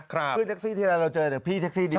ขึ้นแท็กซี่ที่เราเจอแต่พี่แท็กซี่ดี